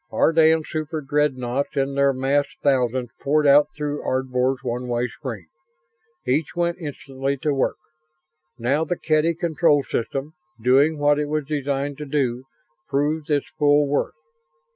Ardan superdreadnoughts in their massed thousands poured out through Ardvor's one way screen. Each went instantly to work. Now the Kedy control system, doing what it was designed to do, proved its full worth.